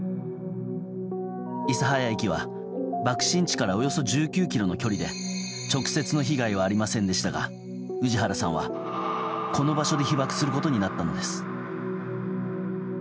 諫早駅は爆心地からおよそ１９ｋｍの距離で直接の被害はありませんでしたが氏原さんはこの場所で被爆することになったのです。